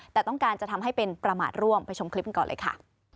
แต่ต้องการจะทำให้เป็นประมาทร่วมไปชมคลิปกันก่อนเลยค่ะ